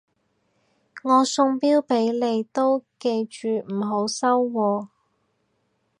我送錶俾你都記住唔好收喎